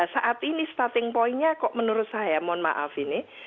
saat ini starting pointnya kok menurut saya mohon maaf ini